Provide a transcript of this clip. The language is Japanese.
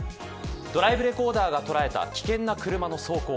ドライブレコーダーが捉えた危険な車の走行。